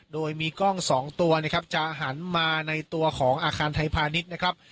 โดยมีกล้องสองตัวนะครับจะหันมาในตัวของอาคารไทยพาณิชย์นะครับ